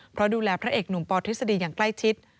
เพราะดูแลพระเอกหนุ่มปทฤษฎีอย่างใกล้ชิด